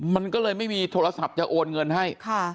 มันก็เลยไม่มีโทรศัพท์จะโอนเงินให้